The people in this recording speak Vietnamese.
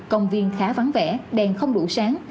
công viên khá vắng vẻ đèn không đủ sáng